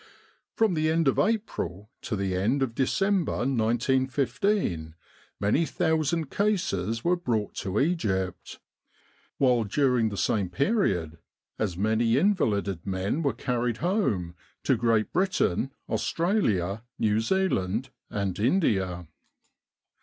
From the end of April to the end of December, 1915, many thousand cases were brought to Egypt; while during the same period as many invalided men were carried home to Great Britain, Australia, New Zealand, and India.